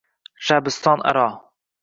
Shabiston aro